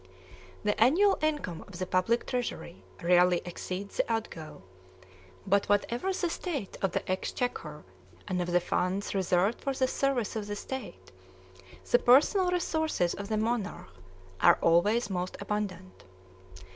The annual income of the public treasury rarely exceeds the outgo; but whatever the state of the exchequer, and of the funds reserved for the service of the state, the personal resources of the monarch are always most abundant.